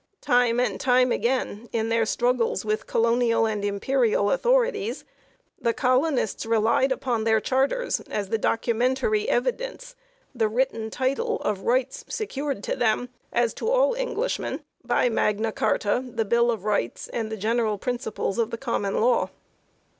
Time and time again, in their struggles with colonial and imperial authorities, the colonists relied upon their charters as the documentary evidence the written title of rights secured to them, as to all Englishmen, by Magna Carta, the Bill of Rights, and the general principles of the Common Law.